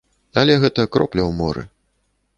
Але гэта кропля ў моры.